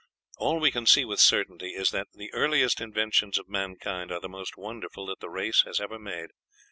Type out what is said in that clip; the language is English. All we can see with certainty is that the earliest inventions of mankind are the most wonderful that the race has ever made....